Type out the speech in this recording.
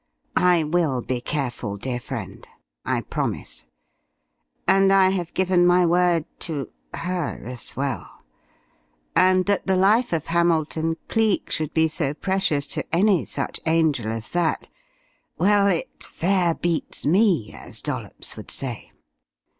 "I will be careful, dear friend. I promise. And I have given my word to her as well. And that the life of Hamilton Cleek should be so precious to any such angel as that well, it 'fair beats me', as Dollops would say....